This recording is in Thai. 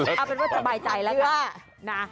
เอาเป็นว่าสบายใจแล้วก็นะ